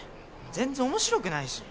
全然面白くないし。